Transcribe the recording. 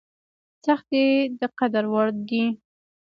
سختۍ د قدر وړ دي.